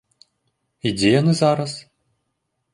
І дзе яны зараз?